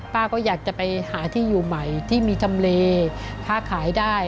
ป้าก็อยากจะไปหาที่อยู่ใหม่ที่มีทำเลค้าขายได้